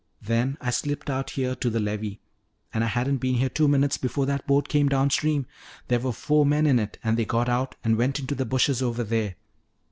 Then I slipped out here to the levee. And I hadn't been here two minutes before that boat came downstream. There were four men in it and they got out and went into the bushes over there.